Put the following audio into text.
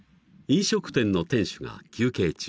［飲食店の店主が休憩中］